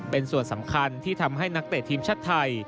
เป็นส่วนสำคัญที่ทำให้นักเตะทีมชาติไทย